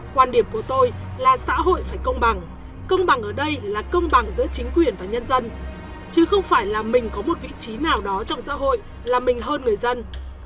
quan điểm của tôi là xã hội phải công bằng công bằng ở đây là công bằng giữa chính quyền và nhân dân chứ không phải là mình có một vị trí nào đó trong xã hội là mình hơn người dân